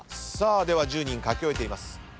では１０人書き終えています。